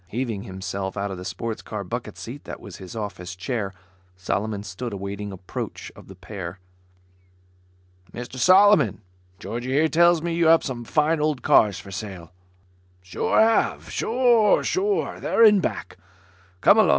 Heaving himself out of the sports car bucket seat that was his office chair, Solomon stood awaiting approach of the pair. "Mr Solomon, Georgie here tells me you have some fine old cars for sale?" "Sure have. Sure have. They're in back. Come along.